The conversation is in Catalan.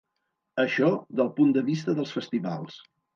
Això, del punt de vista dels festivals.